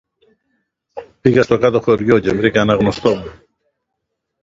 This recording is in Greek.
Πήγα στο Κάτω Χωριό και βρήκα ένα γνωστό μου